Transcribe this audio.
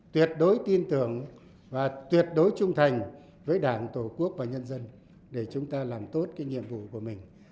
tuyệt đối tin tưởng và tuyệt đối trung thành với đảng tổ quốc và nhân dân để chúng ta làm tốt cái nhiệm vụ của mình